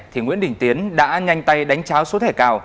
thì nguyễn đình tiến đã nhanh tay đánh cháo số thẻ cào